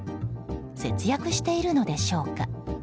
節約しているのでしょうか？